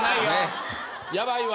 ヤバいわ。